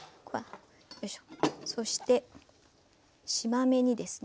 そしてしま目にですね